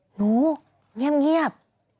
หนูเงียบ